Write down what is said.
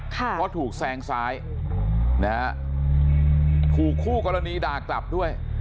เพราะถูกแซงซ้ายนะฮะถูกคู่กรณีด่ากลับด้วย